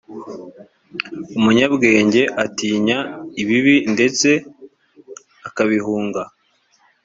umunyabwenge atinya ibibi ndetse akabihunga